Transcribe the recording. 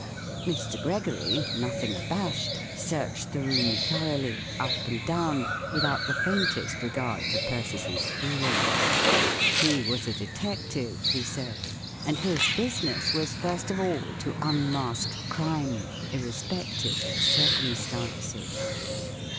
Mr. Gregory, nothing abashed, searched the room thoroughly, up and down, without the faintest regard to Persis's feelings; he was a detective, he said, and his business was first of ail to unmask crime, irrespective of circum¬ stances.